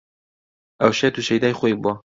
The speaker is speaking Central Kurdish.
ئەو شێت و شەیدای خۆی بووە